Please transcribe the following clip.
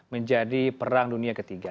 menjadi perang dunia ketiga